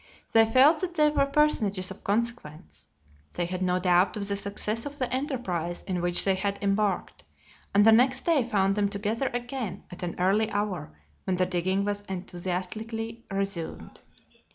They felt that they were personages of consequence. They had no doubt of the success of the enterprise in which they had embarked, and the next day found them together again at an early hour, when the digging was enthusiastically resumed.